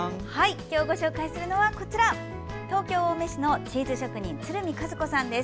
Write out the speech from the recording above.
今回、ご紹介するのは東京・青梅市のチーズ職人、鶴見和子さんです。